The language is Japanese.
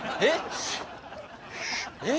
えっ？